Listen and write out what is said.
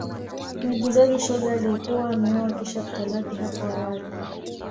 Muigizaji shoga aliyekuwa ameoa kisha kutalaki hapo awali